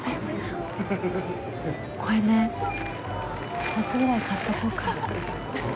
これね、２つぐらい買っとこうか。